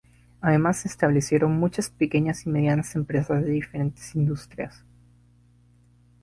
Además se establecieron muchas pequeñas y medianas empresas de diferentes industrias.